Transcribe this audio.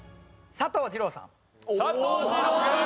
佐藤二朗さん